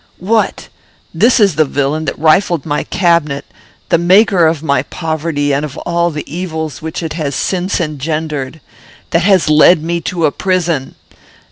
"What! This is the villain that rifled my cabinet, the maker of my poverty and of all the evils which it has since engendered! That has led me to a prison!